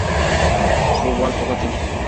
Fugó al poco tiempo.